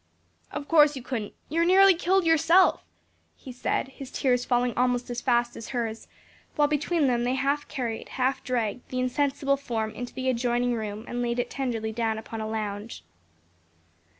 "Of course you couldn't; you are nearly killed yourself," he said, his tears falling almost as fast as hers, while between them they half carried, half dragged the insensible form into the adjoining room and laid it tenderly down upon a lounge.